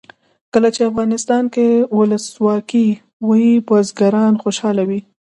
کله چې افغانستان کې ولسواکي وي بزګران خوشحاله وي.